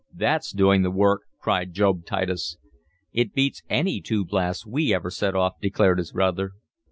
"That's doing the work!" cried Job Titus. "It beats any two blasts we ever set off," declared his brother.